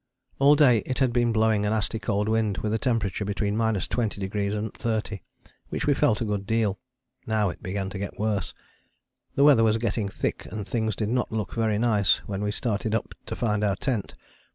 All day it had been blowing a nasty cold wind with a temperature between 20° and 30°, which we felt a good deal. Now it began to get worse. The weather was getting thick and things did not look very nice when we started up to find our tent.